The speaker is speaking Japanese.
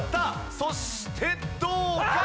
そしてどうか？